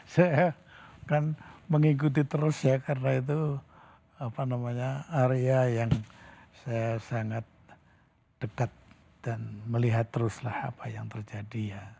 saya kan mengikuti terus ya karena itu area yang saya sangat dekat dan melihat teruslah apa yang terjadi ya